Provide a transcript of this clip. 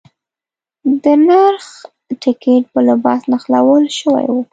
د نرخ ټکټ په لباس نښلول شوی و.